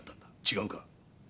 違うか？